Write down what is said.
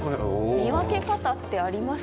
見分け方ってありますか？